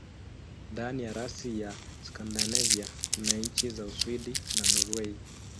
Ndani ya rasi ya Skandinavia kuna nchi za Uswidi na Norwei.